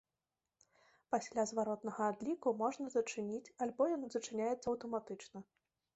Пасля зваротнага адліку можна зачыніць альбо ён зачыняецца аўтаматычна.